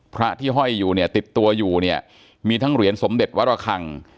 พระที่ห้อยอยู่เนี่ยติดตัวอยู่เนี่ยมีทั้งเหรียญสมเด็จวรคัง